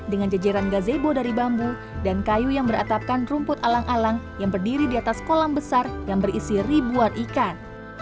dengan jajaran gazebo dari bambu dan kayu yang beratapkan rumput alang alang yang berdiri di atas kolam besar yang berisi ribuan ikan